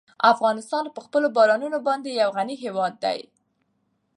افغانستان په خپلو بارانونو باندې یو غني هېواد دی.